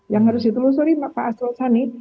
yang harus ditelusuri pak astro tani